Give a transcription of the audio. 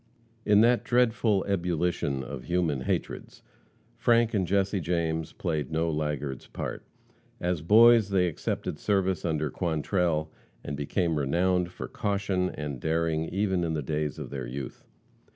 In that dreadful ebullition of human hatreds, Frank and Jesse James played no laggard's part. As boys, they accepted service under Quantrell, and became renowned for caution and daring even in the days of their youth.